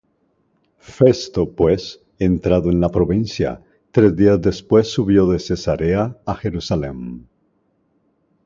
Festo pues, entrado en la provincia, tres días después subió de Cesarea á Jerusalem.